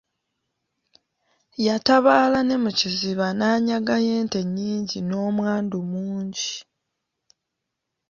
Yatabaala ne mu Kiziba n'anyagayo ente nnyingi n'omwandu mungi.